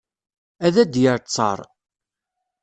Ad d-yer ttar.